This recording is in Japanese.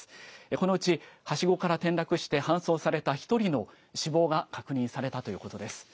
このうちはしごから転落して搬送された１人の死亡が確認されたということです。